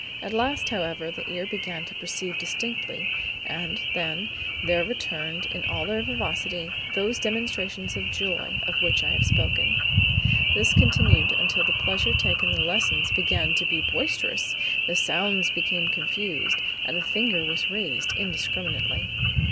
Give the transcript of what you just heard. At last, however, the ear began to perceive distinctly, and, then, there returned in all their vivacity, those demonstrations of joy of which I have spoken. This continued until the pleasure taken in the lessons began to be boisterous, the sounds became confused, and the finger was raised indiscriminately.